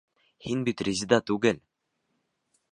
Һин бит Резеда түгел!